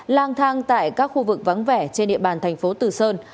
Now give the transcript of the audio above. lang thang tại các khu vực vắng vẻ trên địa bàn tp tử sơn